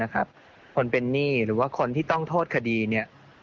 คนเป็นหนี้หรือว่าคนที่ต้องโทษคดีนี้